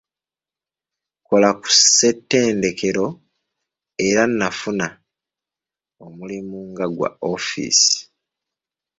Kola ku Ssetendekero era nafuna omulimu nga gwa office.